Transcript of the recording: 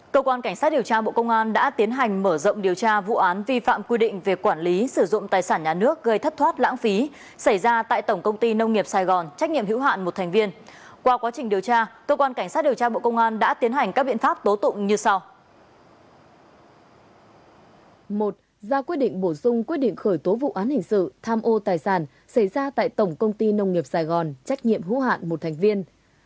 cơ quan cảnh sát điều tra bộ công an đã tiến hành mở rộng điều tra vụ án vi phạm quy định về quản lý sử dụng tài sản nhà nước gây thất thoát lãng phí xảy ra tại tổng công ty nông nghiệp sài gòn trách nhiệm hữu hạn một thành viên